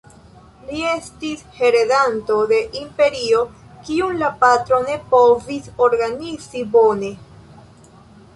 Li estis heredanto de imperio kiun la patro ne povis organizi bone.